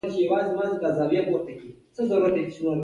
خداى دې اجرونه درکي.